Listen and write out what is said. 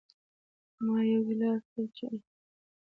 ما یو بل ګیلاس چای هم ځان ته واچوه.